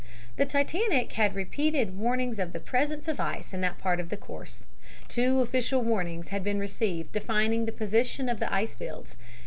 The Titanic had had repeated warnings of the presence of ice in that part of the course. Two official warnings had been received defining the position of the ice fields.